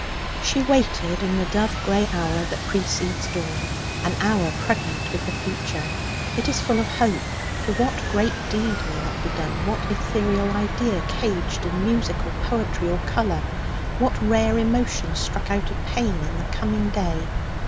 She waited in the dove grey hour that precedes dawn an hour pregnant with the future. It is full of hope; for what great deed may not be done, what ethereal idea caged in music or poetry or colour, what rare emotion struck out of pain in the coming day?